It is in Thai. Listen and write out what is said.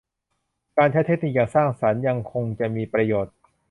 การใช้เทคนิคอย่างสร้างสรรค์ยังคงจะมีประโยชน์